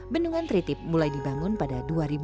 bendungan tritip mulai dibangun pada dua ribu empat belas